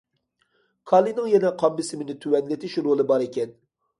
كالىينىڭ يەنە قان بېسىمىنى تۆۋەنلىتىش رولى بار ئىكەن.